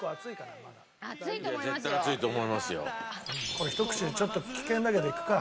これひと口でちょっと危険だけどいくか。